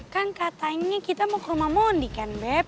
kan katanya kita mau ke rumah mondi kan beb